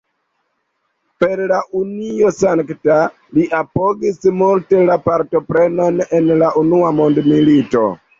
Per la "Unio Sankta", li apogis multe la partoprenon en la unua mondmilito.